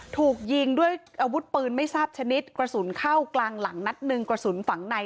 ถูกยิงด้วยอาวุธปืนไม่ทราบชนิดกระสุนเข้ากลางหลังนัดหนึ่งกระสุนฝังใน